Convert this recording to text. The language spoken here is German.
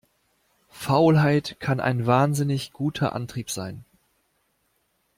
Faulheit kann ein wahnsinnig guter Antrieb sein.